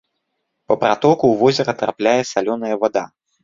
Па пратоку ў возера трапляе салёная вада.